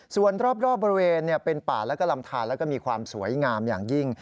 ส่วนรอบบริเวณเป็นป่าและก็ลำทานแล้วก็มีความสวยงามอย่างยิ่ง